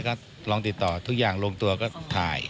ก็ลองติดต่อทุกอย่างลงตัวก็ถ่าย